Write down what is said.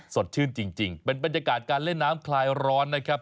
สดชื่นจริงเป็นบรรยากาศการเล่นน้ำคลายร้อนนะครับ